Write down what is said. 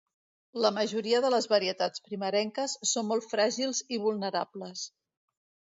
La majoria de les varietats primerenques són molt fràgils i vulnerables.